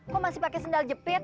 kok masih pakai sendal jepit